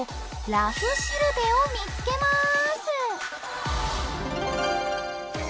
「らふしるべ」を見つけます！